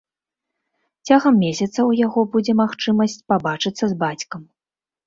Цягам месяца ў яго будзе магчымасць пабачыцца з бацькам.